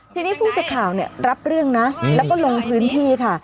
ทีนี้ผู้สื่อข่าวรับเรื่องนะแล้วก็ลงพื้นที่ค่ะ